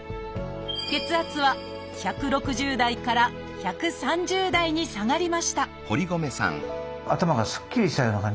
血圧は１６０台から１３０台に下がりました